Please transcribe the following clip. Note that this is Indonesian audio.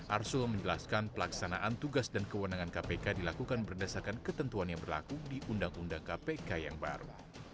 arsul menjelaskan pelaksanaan tugas dan kewenangan kpk dilakukan berdasarkan ketentuan yang berlaku di undang undang kpk yang baru